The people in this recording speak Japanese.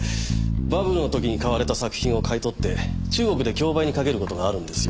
バブルの時に買われた作品を買い取って中国で競売にかける事があるんですよ。